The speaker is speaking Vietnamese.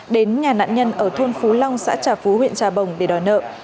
đến nhà nạn nhân ở thôn phú long xã trà phú huyện trà bồng để đòi nợ